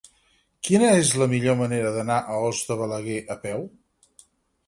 Quina és la millor manera d'anar a Os de Balaguer a peu?